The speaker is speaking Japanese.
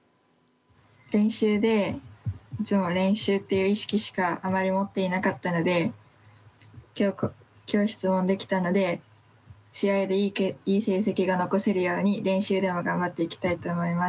練習でいつも練習っていう意識しかあまり持っていなかったので今日質問できたので試合でいい成績が残せるように練習でも頑張っていきたいと思います。